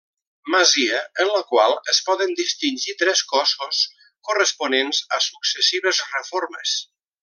Masia en la qual es poden distingir tres cossos, corresponents a successives reformes.